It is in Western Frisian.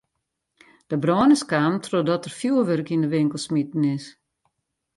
De brân is kaam trochdat der fjoerwurk yn de winkel smiten is.